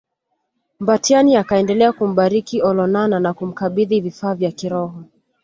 Mbatiany akaendelea kumbariki Olonana na kumkabidhi vifaa vya kiroho